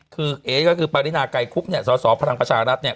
คือเอ๊ก็คือปรินาไกรคุบเนี่ยสสพลังประชารัฐเนี่ย